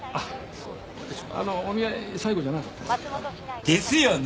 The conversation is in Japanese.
そうだあのお見合い西郷じゃなかったですですよね